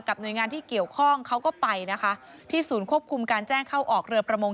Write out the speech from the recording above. หน่วยงานที่เกี่ยวข้องเขาก็ไปนะคะที่ศูนย์ควบคุมการแจ้งเข้าออกเรือประมง